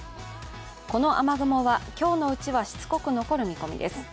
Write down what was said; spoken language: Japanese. この雨雲は今日のうちはしつこく残る見込みです。